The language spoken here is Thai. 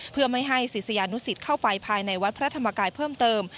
เพื่อไม่ให้ศิษยานุสิตเข้าไปภายในวัดพระธรรมกายเพิ่มเติม